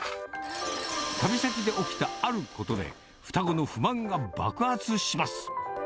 旅先で起きたあることで、双子の不満が爆発します。